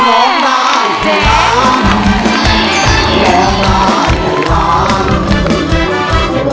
โอเค